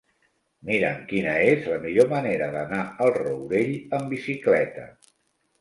Mira'm quina és la millor manera d'anar al Rourell amb bicicleta.